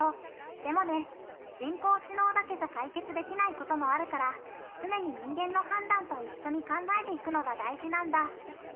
でもね、人工知能だけじゃ解決できないこともあるから常に人間の判断と一緒に考えていくのが大事なんだ！